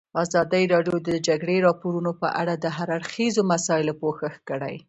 ازادي راډیو د د جګړې راپورونه په اړه د هر اړخیزو مسایلو پوښښ کړی.